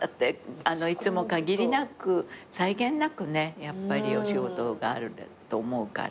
いつも限りなく際限なくねお仕事があると思うから。